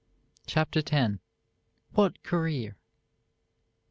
CHAPTER X WHAT CAREER?